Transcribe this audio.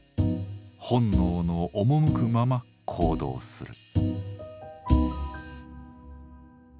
本能のおもむくまま行動する。